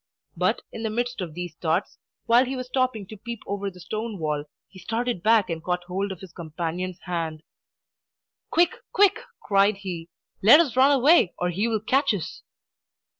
But, in the midst of these thoughts, while he was stopping to peep over the stone wall, he started back and caught hold of his companion's hand. "Quick, quick!" cried he. "Let us run away, or he will catch us!"